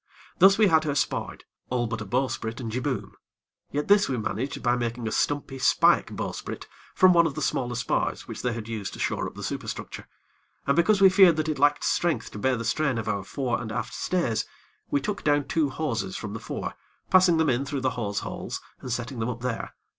Thus we had her sparred, all but a bowsprit and jibboom; yet this we managed by making a stumpy, spike bowsprit from one of the smaller spars which they had used to shore up the superstructure, and because we feared that it lacked strength to bear the strain of our fore and aft stays, we took down two hawsers from the fore, passing them in through the hawse holes and setting them up there.